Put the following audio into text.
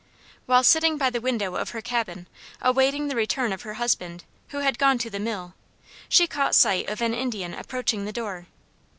While sitting by the window of her cabin, awaiting the return of her husband, who had gone to the mill, she caught sight of an Indian approaching the door.